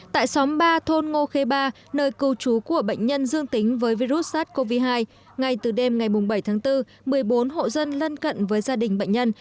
tại xóm ba thôn ngô khê ba nơi cư trú của bệnh nhân dương tính với virus sars cov hai ngay từ đêm ngày bảy tháng bốn một mươi bốn hộ dân lân cận với gia đình bệnh nhân